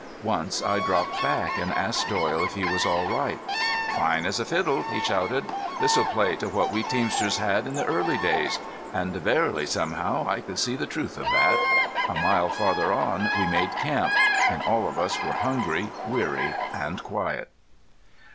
Once I dropped back and asked Doyle if he was all right. "Fine as a fiddle," he shouted. "This's play to what we teamsters had in the early days." And verily somehow I could see the truth of that. A mile farther on we made camp; and all of us were hungry, weary, and quiet.